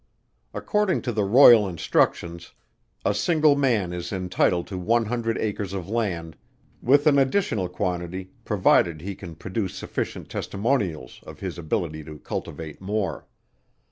According to the Royal Instructions, a single man is entitled to one hundred acres of land, with an additional quantity provided he can produce sufficient testimonials of his ability to cultivate more.